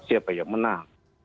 siapa yang menang